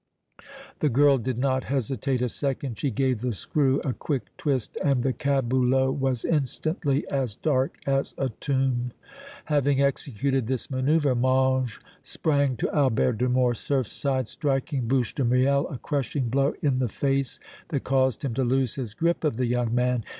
The girl did not hesitate a second; she gave the screw a quick twist and the caboulot was instantly as dark as a tomb. Having executed this manoeuvre, Mange sprang to Albert de Morcerf's side, striking Bouche de Miel a crushing blow in the face that caused him to lose his grip of the young man.